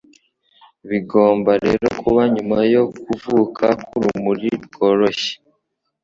Bigomba rero kuba nyuma yo kuvuka k'urumuri rworoshye